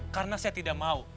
karena saya tidak mau